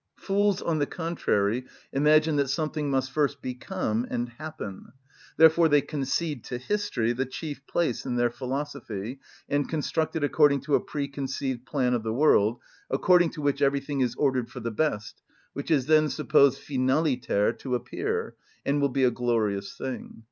Fools, on the contrary, imagine that something must first become and happen. Therefore they concede to history the chief place in their philosophy, and construct it according to a preconceived plan of the world, according to which everything is ordered for the best, which is then supposed finaliter to appear, and will be a glorious thing.